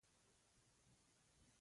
پر چوڼۍ باندې یرغل ورووړ.